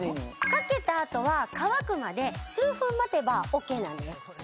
かけたあとは乾くまで数分待てばＯＫなんです